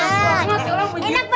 enak banget ya orang menjijiknya